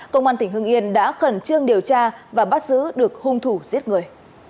công an tỉnh hưng yên đã khẩn trương điều tra và bắt giữ được hung thủ giết người